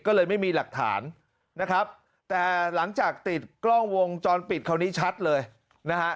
ก็เลยไม่มีหลักฐานนะครับแต่หลังจากติดกล้องวงจรปิดคราวนี้ชัดเลยนะฮะ